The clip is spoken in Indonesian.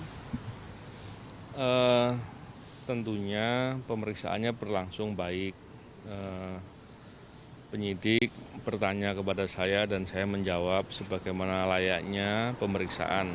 nah tentunya pemeriksaannya berlangsung baik penyidik bertanya kepada saya dan saya menjawab sebagaimana layaknya pemeriksaan